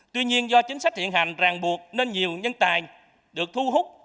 tuy nhiên do chính sách hiện hành ràng buộc nên nhiều nhân tài được thu hút